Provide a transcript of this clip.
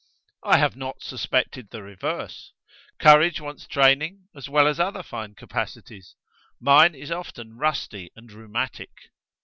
"I have not suspected the reverse. Courage wants training, as well as other fine capacities. Mine is often rusty and rheumatic."